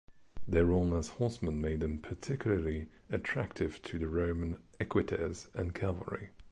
Their role as horsemen made them particularly attractive to the Roman "equites" and cavalry.